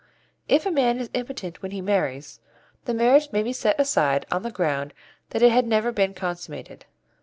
If a man is impotent when he marries, the marriage may be set aside on the ground that it had never been consummated.